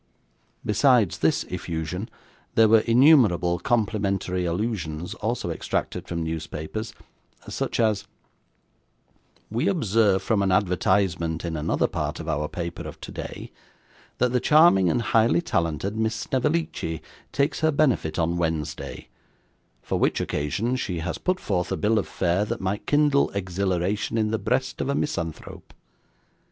Besides this effusion, there were innumerable complimentary allusions, also extracted from newspapers, such as 'We observe from an advertisement in another part of our paper of today, that the charming and highly talented Miss Snevellicci takes her benefit on Wednesday, for which occasion she has put forth a bill of fare that might kindle exhilaration in the breast of a misanthrope.